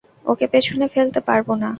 ওকে পেছনে ফেলতে পারবো না।